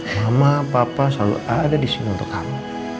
mama papa selalu ada disini untuk kamu